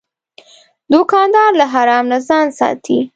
دوکاندار له حرام نه ځان ساتي.